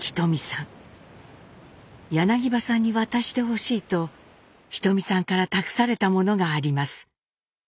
「柳葉さんに渡してほしい」とひとみさんから託されたものがあります。